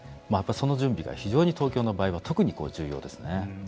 その準備が非常に東京の場合は特に重要ですね。